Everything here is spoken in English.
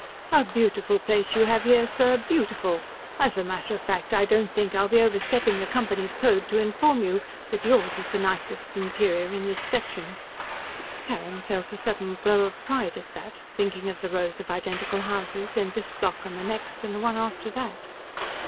"A beautiful place you have here, sir. Beautiful! As a matter of fact, I don't think I'll be overstepping the company's code to inform you that yours is the nicest interior in this section." Carrin felt a sudden glow of pride at that, thinking of the rows of identical houses, on this block and the next, and the one after that.